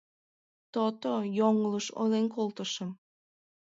То-то, йоҥылыш ойлен колтышым...